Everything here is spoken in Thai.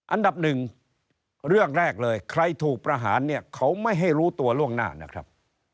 อันดับหนึ่งเรื่องแรกเลยใครถูกประหารเนี่ยเขาไม่ให้รู้ตัวล่วงหน้านะครับ